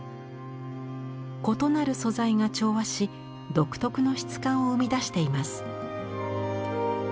異なる素材が調和し独特の質感を生み出しています。